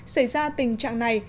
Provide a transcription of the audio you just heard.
xảy ra tình trạng này